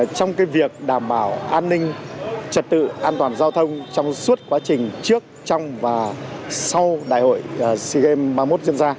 trong việc đảm bảo an ninh trật tự an toàn giao thông trong suốt quá trình trước trong và sau đại hội sea games ba mươi một diễn ra